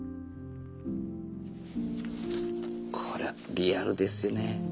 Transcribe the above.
これはリアルですよね。